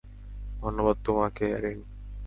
ধন্যবাদ তোমাকে, অ্যারিন।